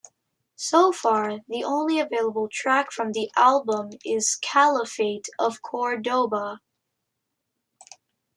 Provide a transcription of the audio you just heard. So far, the only available track from the album is "Caliphate of Cordoba".